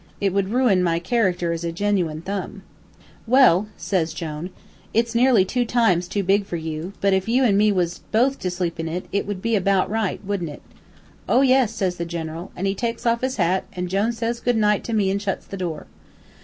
It would ruin my character as a genuine Thumb.' "'Well,' says Jone, 'it's nearly two times too big for you, but if you an' me was both to sleep in it, it would be about right, wouldn't it?' "'Oh yes,' says the General. An' he takes off his hat, an' Jone says good night to me an' shuts the door.